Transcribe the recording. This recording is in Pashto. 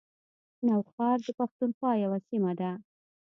نوښار د پښتونخوا یوه سیمه ده